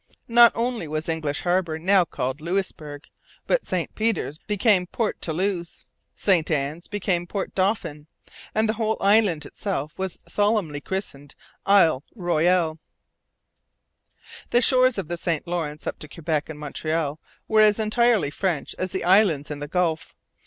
Not only was English Harbour now called Louisbourg, but St Peter's became Port Toulouse, St Anne's became Port Dauphin, and the whole island itself was solemnly christened Ile Royale. The shores of the St Lawrence up to Quebec and Montreal were as entirely French as the islands in the Gulf.